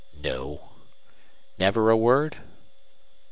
"No." "Never a word?"